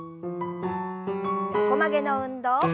横曲げの運動。